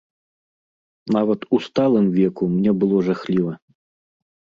Нават у сталым веку мне было жахліва.